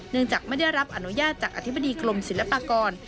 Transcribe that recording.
จากไม่ได้รับอนุญาตจากอธิบดีกรมศิลปากร